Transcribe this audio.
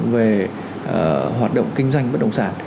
về hoạt động kinh doanh bất động sản